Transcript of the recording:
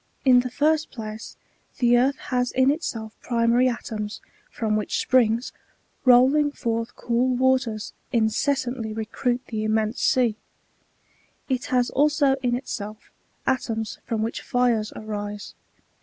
In the first place, the earth has in itself primary at<$mi^ from which springs, rolling forth cool waters, incessantly recruit the immense sea ; it has also in itself atoms from which fires arise.